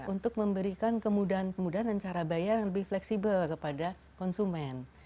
untuk memberikan kemudahan kemudahan dan cara bayar yang lebih fleksibel kepada konsumen